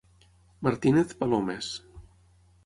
Martínez palomes.